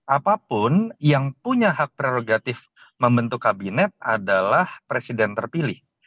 apapun yang punya hak prerogatif membentuk kabinet adalah presiden terpilih